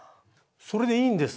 それでいいんです！